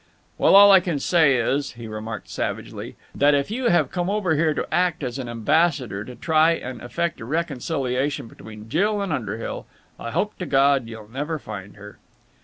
"Well, all I can say is," he remarked savagely, "that, if you have come over here as an ambassador to try and effect a reconciliation between Jill and Underhill, I hope to God you'll never find her."